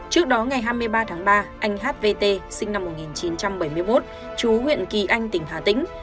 trước đó ngày hai mươi ba tháng ba anh hvt sinh năm một nghìn chín trăm bảy mươi một chú huyện kỳ anh tỉnh hà tĩnh